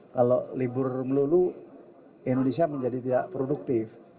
kalau libur melulu indonesia menjadi tidak produktif